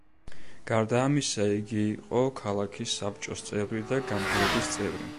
გარდა ამისა იგი იყო ქალაქის საბჭოს წევრი და გამგეობის წევრი.